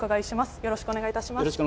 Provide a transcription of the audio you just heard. よろしくお願いします。